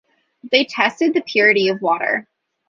They tested the purity of water.